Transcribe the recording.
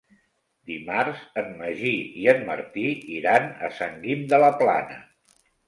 Dimarts en Magí i en Martí iran a Sant Guim de la Plana.